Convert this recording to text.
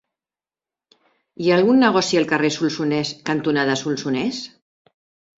Hi ha algun negoci al carrer Solsonès cantonada Solsonès?